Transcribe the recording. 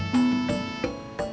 tidak ada yang bisa diberikan